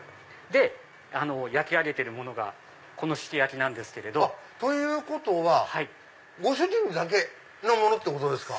で焼き上げてるものがこの志木焼なんです。ということはご主人だけのものってことですか。